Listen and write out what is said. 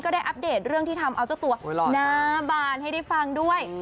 ได้อัปเดตเรื่องที่ทำเอาเจ้าตัวหน้าบานให้ได้ฟังด้วย